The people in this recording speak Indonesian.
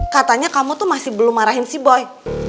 katanya kamu tuh masih belum marahin si boy